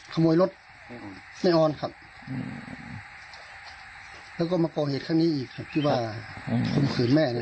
ขโมยรถแม่ออนครับแล้วก็มาโปรเหตุข้างนี้อีกคิดว่าข่มขืนแม่